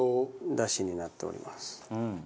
だしになっております。